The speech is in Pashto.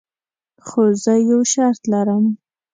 خو زه یو شرط لرم.